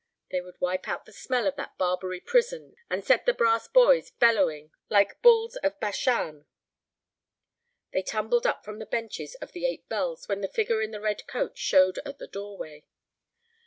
They would wipe out the smell of that Barbary prison, and set the brass boys bellowing like bulls of Bashan. They tumbled up from the benches of "The Eight Bells" when the figure in the red coat showed at the doorway.